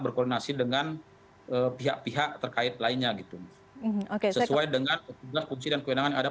berkoordinasi dengan pihak pihak terkait lainnya gitu oke sesuai dengan tugas fungsi dan kewenangan ada